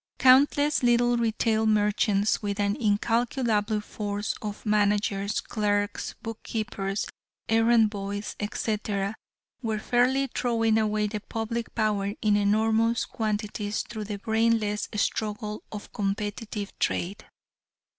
Countless little retail merchants, with an incalculable force of managers, clerks, book keepers, errand boys, etc., were fairly throwing away the public power in enormous quantities through the brainless struggle of competitive trade.